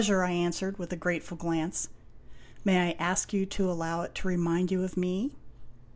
With pleasure," I answered with a grateful glance. " May I ask you to allow it to remind you of me